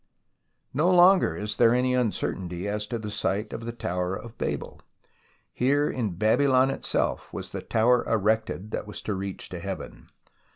No longer is there any uncertainty as to the site of the Tower of Babel. Here in Babylon itself was the Tower erected that was to reach to Heaven.